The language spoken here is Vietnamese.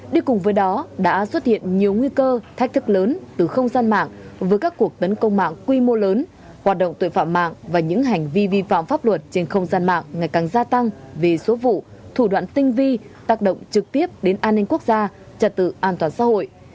đi cùng với đó đã xuất hiện nhiều nguy cơ thách thức lớn từ không gian mạng với các cuộc tấn công mạng quy mô lớn hoạt động tội phạm mạng và những hành vi vi phạm pháp luật trên không gian mạng ngày càng gia tăng vì số vụ thủ đoạn tinh vi tác động trực tiếp đến an ninh quốc gia trật tự an toàn xã hội